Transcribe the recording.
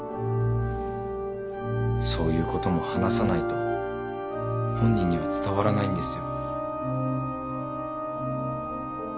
そういうことも話さないと本人には伝わらないんですよ。